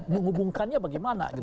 menghubungkannya bagaimana gitu